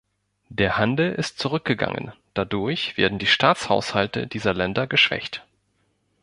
Der Handel ist zurückgegangen, dadurch werden die Staatshaushalte dieser Länder geschwächt.